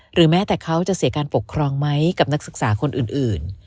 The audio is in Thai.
แม้แต่เขาจะเสียการปกครองไหมกับนักศึกษาคนอื่น